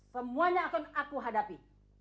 semuanya akan aku hadapi